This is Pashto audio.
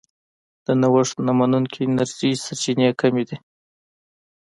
د نوښت نه منونکې انرژۍ سرچینې کمې دي.